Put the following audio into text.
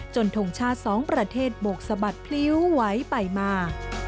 ทงชาติสองประเทศโบกสะบัดพลิ้วไหวไปมา